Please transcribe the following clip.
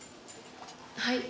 はい。